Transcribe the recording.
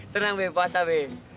tenang be puasa be